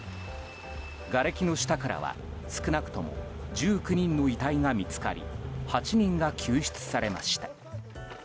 がれきの下からは少なくとも１９人の遺体が見つかり８人が救出されました。